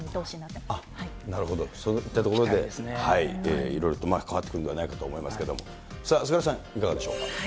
そういったところで、いろいろと変わってくるんではないかと思いますけれども、菅原さん、いかがでしょうか。